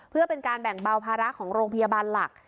เพื่อเป็นการแบ่งเบาภาระของโรงพยาบาลหลัก